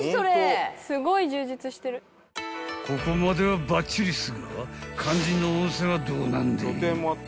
［ここまではばっちりっすが肝心の温泉はどうなんでえ］